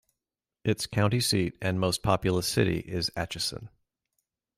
Its county seat and most populous city is Atchison.